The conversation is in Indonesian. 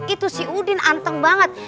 itu si udin anteng banget